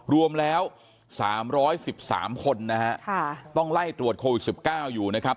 รวมแล้ว๓๑๓คนนะฮะต้องไล่ตรวจโควิด๑๙อยู่นะครับ